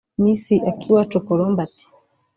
Miss Akiwacu Colombe ati